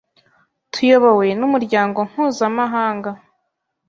tuyobowe n’umuryango mpuzamahanga,